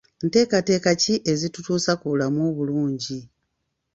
Nteekateeka ki ezitutuusa ku bulamu obulungi?